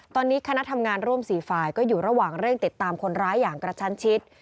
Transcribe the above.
ตอนนี้คณะทำงานร่วม๔ฝ่ายก็อยู่ระหว่างเร่งติดตามคนร้ายอย่างกระชั้นชิด